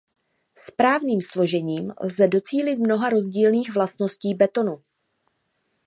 Správným složením lze docílit mnoha rozdílných vlastností betonu.